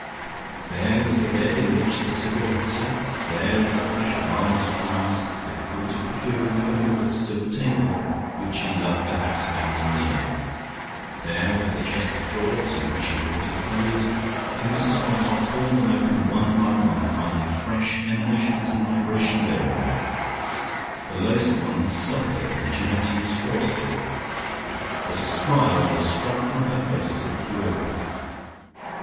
There was the bed in which the Sybil had slept; there was the fresh vase of flowers, difficult to procure in November, but still obtainable, which she loved to have standing near her. There was the chest of drawers in which she had put her clothes, and Mrs Quantock pulled them open one by one, finding fresh emanations and vibrations everywhere. The lowest one stuck a little, and she had to use force to it.... The smile was struck from her face, as it flew open.